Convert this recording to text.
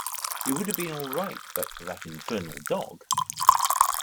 It would have been all right but for that infernal dog.